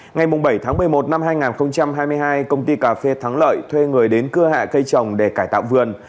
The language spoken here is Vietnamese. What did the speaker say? ngày bảy tháng một mươi một năm hai nghìn hai mươi hai công ty cà phê thắng lợi thuê người đến cưa hạ cây trồng để cải tạo vườn